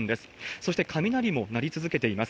そして雷も鳴り続けています。